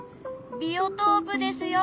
ビオトープですよ。